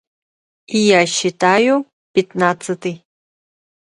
И я считаю: пятнадцатый.